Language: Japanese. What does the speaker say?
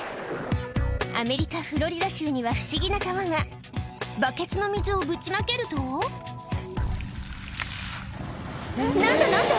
アメリカフロリダ州には不思議な川がバケツの水をぶちまけると何だ何だ？